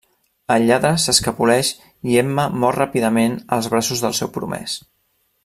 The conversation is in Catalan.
El lladre s'escapoleix i Emma mor ràpidament als braços del seu promès.